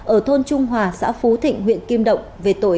ở thôn trung hòa xã phú